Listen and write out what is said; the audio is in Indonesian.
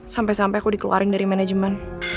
sampai sampai aku dikeluarin dari manajemen